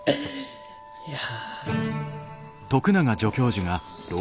いや。